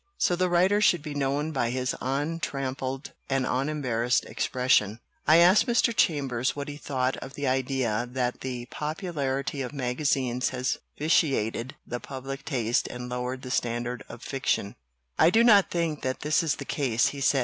So the writer should be known by his untrammeled and un embarrassed expression .'' I asked Mr. Chambers what he thought of the idea that the popularity of magazines has vitiated the public taste and lowered the standard of fiction. 80 WHAT IS GENIUS? "I do not think that this is the case," he said.